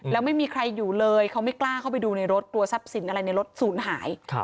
แล้วไม่มีใครอยู่เลยเขาไม่กล้าเข้าไปดูในรถกลัวทรัพย์สินอะไรในรถศูนย์หาย